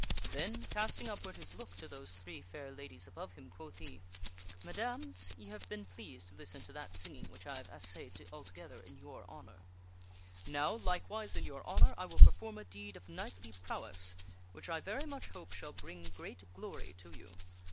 Then, cast ing upward his look to those three fair ladies above him, quoth he :" Mes dames, ye have been pleased to listen to that singing which I have assayed altogether in your honor. Now, likewise, in your honor, I will perform a deed of knightly prowess which I very much hope shall bring great glory to you.